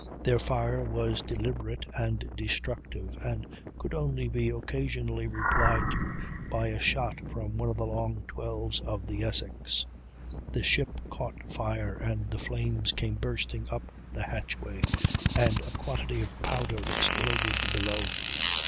Their fire was deliberate and destructive, and could only be occasionally replied to by a shot from one of the long 12's of the Essex. The ship caught fire, and the flames came bursting up the hatchway, and a quantity of powder exploded below.